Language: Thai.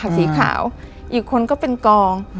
สีขาวอีกคนก็เป็นกอง